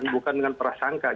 bukan dengan perasangka